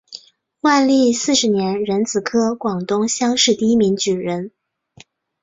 万历四十年壬子科广东乡试第一名举人。